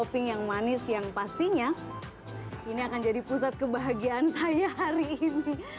topping yang manis yang pastinya ini akan jadi pusat kebahagiaan saya hari ini